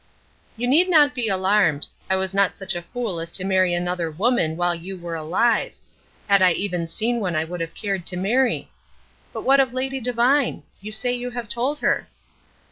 "You need not be alarmed. I was not such a fool as to marry another woman while you were alive had I even seen one I would have cared to marry. But what of Lady Devine? You say you have told her."